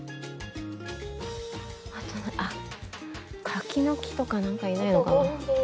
柿の木とか何かいないのかな？